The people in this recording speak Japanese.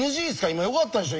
今よかったでしょ